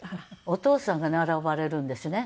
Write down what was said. お父さんが並ばれるんですね